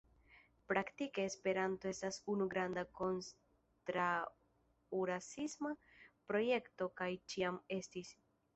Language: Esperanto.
Praktike Esperanto estas unu granda kontraŭrasisma projekto kaj ĉiam estis.